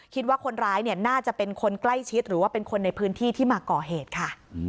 คิดว่าคนร้ายเนี่ยน่าจะเป็นคนใกล้ชิดหรือว่าเป็นคนในพื้นที่ที่มาก่อเหตุค่ะ